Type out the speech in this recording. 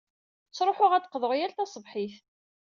Ttṛuḥuɣ ad d-qḍuɣ yal taṣebḥit.